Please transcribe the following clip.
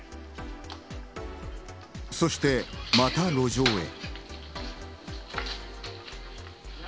そしてまた路上へ。